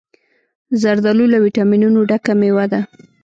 زردالو له ویټامینونو ډکه مېوه ده.